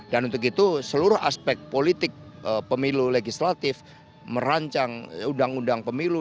dan untuk itu seluruh aspek politik pemilu legislatif merancang undang undang pemilu